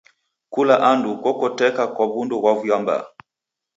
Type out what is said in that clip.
Kula andu kokoteka kwa w'undu ghwa vua mbaa.